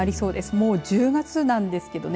もう１０月なんですけどね。